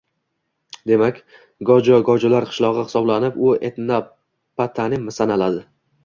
Demak, Gojo gojlar qishlog‘i hisoblanib, u etnotoponim sanaladi.